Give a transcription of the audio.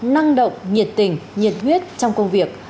năng động nhiệt tình nhiệt huyết trong công việc